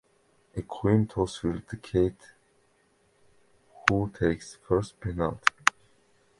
A coin toss will decide who takes the first penalty.